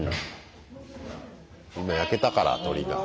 今焼けたから鶏が。